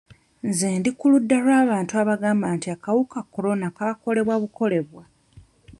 Nze ndi ku ludda lw'abantu abagamba nti akawuka korona kaakolebwa bukolebwa.